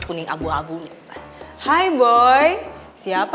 akhirnya anggap ribet nih